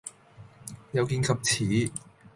有見及此